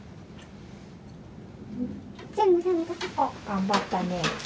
頑張ったね。